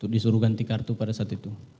disuruh ganti kartu pada saat itu